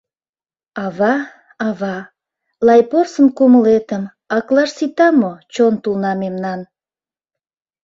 Ава, ава, лай порсын кумылетым Аклаш сита мо чон тулна мемнан?